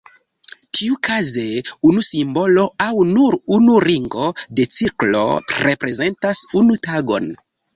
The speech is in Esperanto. Tiukaze unu simbolo aŭ nur unu ringo de cirklo reprezentas unu tagon.